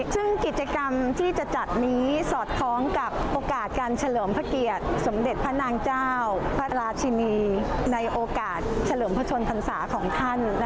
ซึ่งกิจกรรมที่จะจัดนี้สอดคล้องกับโอกาสการเฉลิมพระเกียรติสมเด็จพระนางเจ้าพระราชินีในโอกาสเฉลิมพระชนพรรษาของท่าน